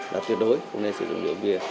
là tuyệt đối không nên sử dụng rượu bia